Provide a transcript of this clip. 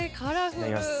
いただきます。